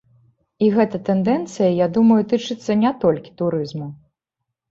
І гэта тэндэнцыя, я думаю, тычыцца не толькі турызму.